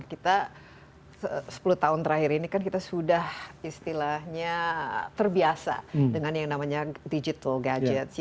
kita sepuluh tahun terakhir ini kan kita sudah istilahnya terbiasa dengan yang namanya digital gadget